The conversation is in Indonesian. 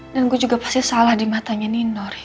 dan gue juga pasti salah di matanya nino rik